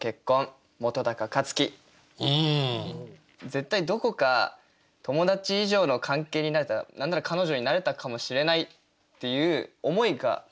絶対どこか友達以上の関係になれたら何なら彼女になれたかもしれないっていう思いがあったと思うんですよ。